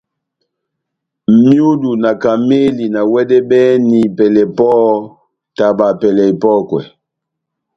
Myudu na kamɛli na wɛdɛbɛhɛni pɛlɛ pɔhɔ́, taba pɛlɛ epɔ́kwɛ.